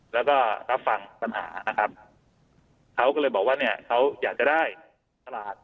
แล้วก็รับฟังปัญหานะครับเขาก็เลยบอกว่าเนี่ยเขาอยากจะได้ตลาด